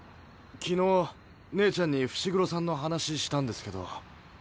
昨日姉ちゃんに伏黒さんの話したんですけど。